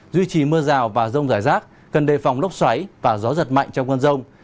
duy trì mưa rào và rông rải rác cần đề phòng lốc xoáy và gió giật mạnh trong cơn rông